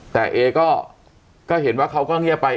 แต่เอก็เห็นว่าเขาก็เงียบไป